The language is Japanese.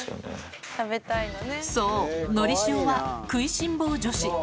そう、のりしおは食いしん坊女子。